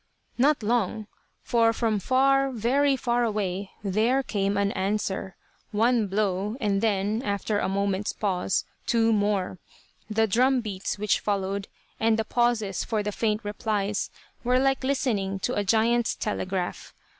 Not long; for from far, very far away, there came an answer, one blow, and then, after a moment's pause, two more. The drum beats which followed, and the pauses for the faint replies, were like listening to a giant's telegraph.